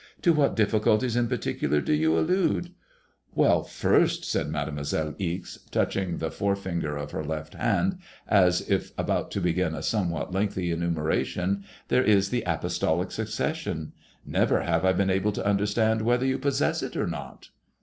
" To what difiBiculties in particular do you allude ?•• "Well, first/' said Made moiselle Ixe, touching the fore finger of her left hand, as if about to begin a somewhat lengthy enumeration, "there is the apos tolic succession. Never have I been able to understand whether you possess it or not."